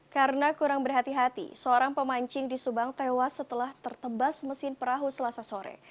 karena kurang berhati hati seorang pemancing di subang tewas setelah tertebas mesin perahu selasa sore